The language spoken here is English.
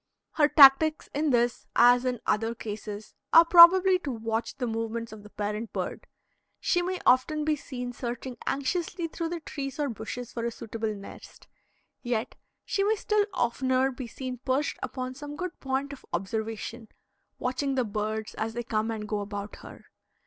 Her tactics in this as in other cases are probably to watch the movements of the parent bird. She may often be seen searching anxiously through the trees or bushes for a suitable nest, yet she may still oftener be seen perched upon some good point of observation watching the birds as they come and go about her.